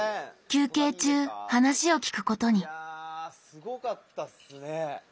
休憩中話を聞くことにすごかったっすね。